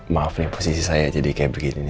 maaf nih posisi saya jadi kayak begini